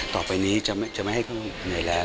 ต่อไปนี้จะไม่ให้พึ่งเหนื่อยแล้ว